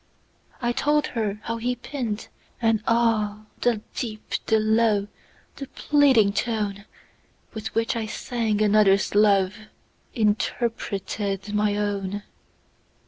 I told her how he pined: and, ah! The deep, the low, the pleading toneWith which I sang another's loveInterpreted my own.